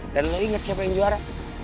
dan lo inget siapa yang juara